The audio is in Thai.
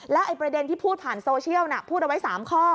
ไอ้ประเด็นที่พูดผ่านโซเชียลน่ะพูดเอาไว้๓ข้อ